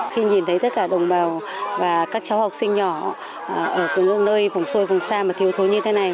khi nhìn thấy tất cả đồng bào và các cháu học sinh nhỏ ở nơi vùng sâu vùng xa mà thiếu thối như thế này